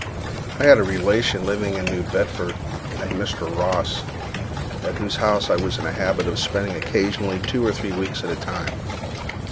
I had a relation living in New Bedford, a Mr. Ross, at whose house I was in the habit of spending occasionally two or three weeks at a time.